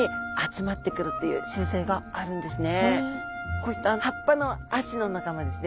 こういった葉っぱのアシの仲間ですね。